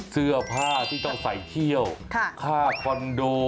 เสื้อผ้าที่ต้องใส่เที่ยวค่าคอนโด